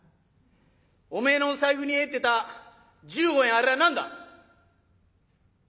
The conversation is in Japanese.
おめえの財布に入ってた１５円あれは何だ！」。